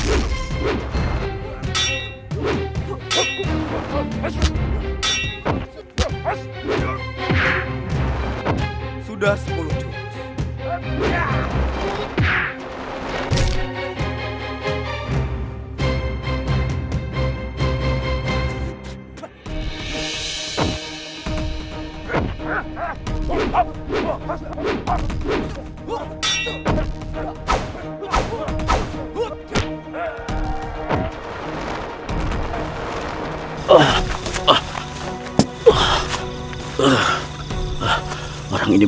aduh senjata dalam